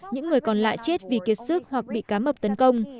những người còn lại chết vì kiệt sức hoặc bị cá mập tấn công